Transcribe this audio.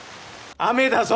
雨だぞ！